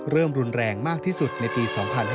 เริ่มรุนแรงมากที่สุดในปี๒๕๓๙